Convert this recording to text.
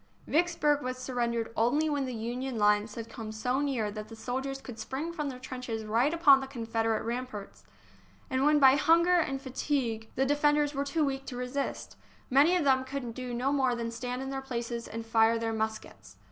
Vicksburg was surrendered only when the Union lines had come so near that the soldiers could spring from their trenches right upon the Confederate ramparts, and when by hunger and fatigue the bJD a &J3 'So .Si PC H THE SIEGE OF VICKSBURG defenders were too weak to resist. Many of them could do no more than stand in their places and fire their muskets.